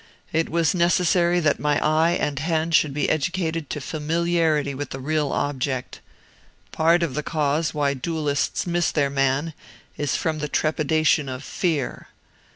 It was necessary that my eye and hand should be educated to familiarity with the real object. Part of the cause why duelists miss their man is from the trepidation of fear.